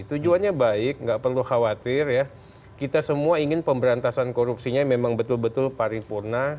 tujuannya baik nggak perlu khawatir ya kita semua ingin pemberantasan korupsinya memang betul betul paripurna